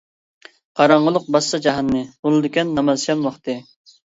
قاراڭغۇلۇق باسسا جاھاننى، بولىدىكەن نامازشام ۋاقتى.